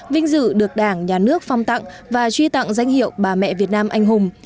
vinh dự được đảng nhà nước phong tặng và truy tặng danh hiệu bà mẹ việt nam anh hùng